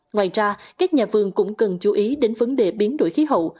ngoài ra các nhà vườn cũng cần chú ý đến vấn đề biến đổi khí hậu